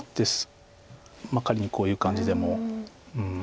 まあ仮にこういう感じでも。